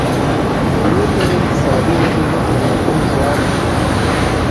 له یوې پېړۍ اقتصادي ودې وروسته نفوس زیات شو.